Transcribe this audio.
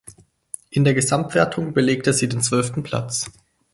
In der Gesamtwertung belegte sie den zwölften Platz.